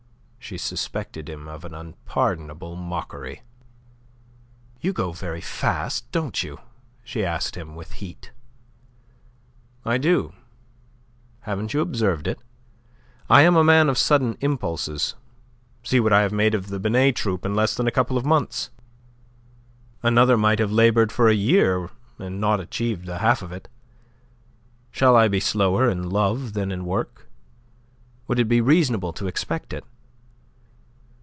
She suspected him of an unpardonable mockery. "You go very fast, don't you?" she asked him, with heat. "I do. Haven't you observed it? I am a man of sudden impulses. See what I have made of the Binet troupe in less than a couple of months. Another might have laboured for a year and not achieved the half of it. Shall I be slower in love than in work? Would it be reasonable to expect it?